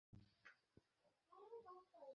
সত্যকে ধরিয়াই মুক্তিপথে যাওয়া যায়।